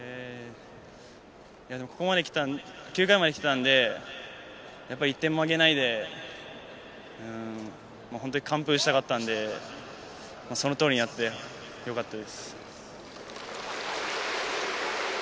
ここまで、９回まで来たので、１点もあげないで完封したかったので、その通りになってよかったです。